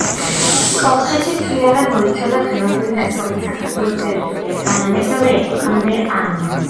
კოლხეთი მთლიანად მოიცავდა დღევანდელი დასავლეთ საქართველოს ტერიტორიას. თანამედროვე ეპოქამდე ამ